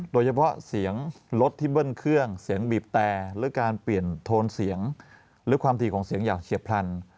โดยเฉพาะเสียงรถที่เบิ้ลเครื่องเสียงบีบแต่หรือการเปลี่ยนโทนเสียงหรือความถี่ของเสียงอย่างเฉียบพลัน